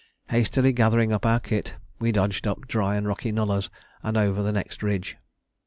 Hastily gathering up our kit, we dodged up dry and rocky nullahs and over the next ridge.